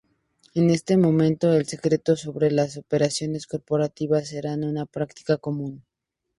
En ese momento, el secreto sobre las operaciones corporativas era una práctica común.